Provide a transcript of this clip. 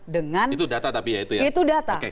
dengan itu data tapi ya itu ya